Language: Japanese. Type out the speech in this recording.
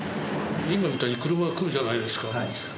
今みたいに車が来るじゃないですか。